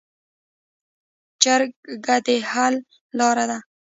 جرګه د حل لاره ده